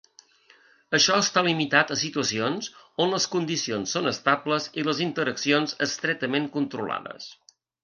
Això està limitat a situacions on les condicions són estables i les interaccions estretament controlades.